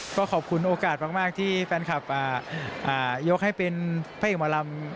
ก็ขอบคุณโอกาสมากที่แฟนคลับยกให้เป็นพระเอกหมอลำ